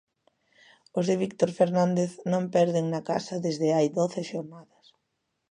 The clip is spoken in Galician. Os de Víctor Fernández non perden na casa desde hai doce xornadas.